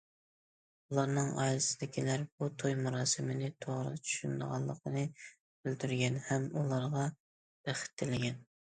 ئۇلارنىڭ ئائىلىسىدىكىلەر بۇ توي مۇراسىمىنى توغرا چۈشىنىدىغانلىقىنى بىلدۈرگەن ھەم ئۇلارغا بەخت تىلىگەن.